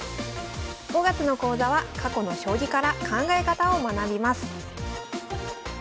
５月の講座は過去の将棋から考え方を学びます